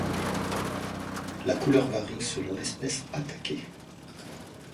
La couleur varie selon l'espèce attaquée.